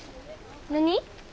何？